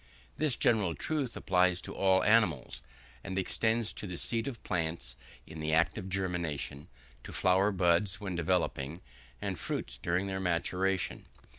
This general truth applies to all animals, and extends to the seed of plants in the act of germination, to flower buds when developing, and fruits during their maturation.